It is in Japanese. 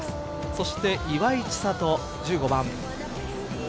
そして岩井千怜１５番。